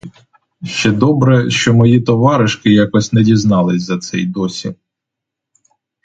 Ще добре, що мої товаришки якось не дізнались за це й досі.